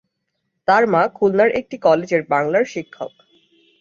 তার মা খুলনার একটি কলেজের বাংলার শিক্ষক।